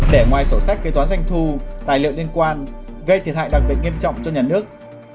để ngoài sổ sách kế toán doanh thu tài liệu liên quan gây thiệt hại đặc biệt nghiêm trọng cho nhà nước